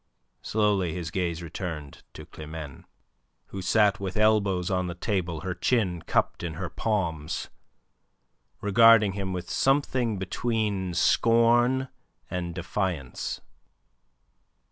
Slowly his glance returned to Climene, who sat with elbows on the table, her chin cupped in her palms, regarding him with something between scorn and defiance.